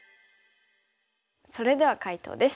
それでは解答です。